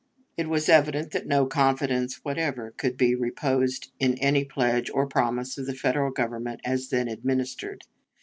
It was evident that no confidence whatever could be reposed in any pledge or promise of the Federal Government as then administered.